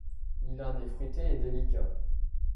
Il a un nez fruité et délicat.